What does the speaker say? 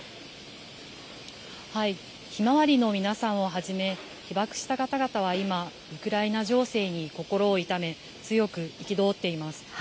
ひまわりの皆さんをはじめ、被爆した方々は今、ウクライナ情勢に心を痛め、強く憤っています。